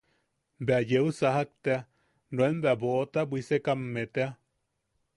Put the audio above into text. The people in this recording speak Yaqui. Bea yeu sajak tea, nuen bea boʼota bwisekamme tea.